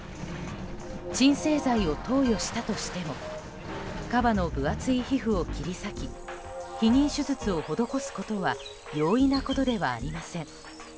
鎮静剤を投与したとしてもカバの分厚い皮膚を切り裂き避妊手術を施すことは容易なことではありません。